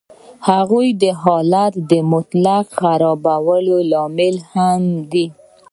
هغوی د حالت د مطلق خرابوالي لامل هم دي